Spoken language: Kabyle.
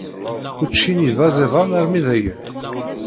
Ucci-nni d aẓidan armi dayen.